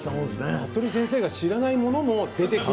服部先生が知らないものも出てくる。